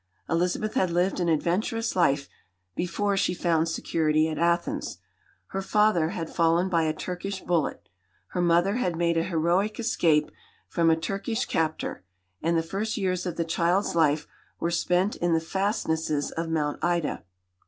Elizabeth had lived an adventurous life before she found security at Athens. Her father had fallen by a Turkish bullet. Her mother had made an heroic escape from a Turkish captor, and the first years of the child's life were spent in the fastnesses of Mount Ida.